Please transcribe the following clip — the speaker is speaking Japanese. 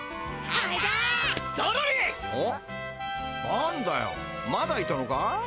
何だよまだいたのか？